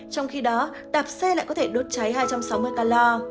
trong khi đó đạp xe lại có thể đốt cháy hai trăm sáu mươi calo